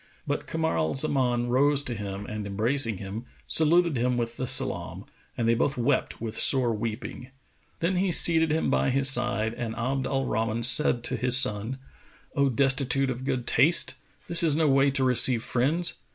But Kamar al Zaman rose to him and embracing him, saluted him with the salam, and they both wept with sore weeping. Then he seated him by his side and Abd al Rahman said to his son, "O destitute of good taste, this is no way to receive friends!